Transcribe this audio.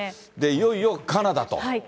いよいよカナダと。